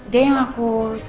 dia yang aku